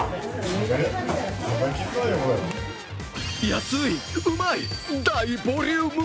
安い、うまい、大ボリューム。